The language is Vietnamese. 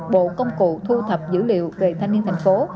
bộ công cụ thu thập dữ liệu về thanh niên thành phố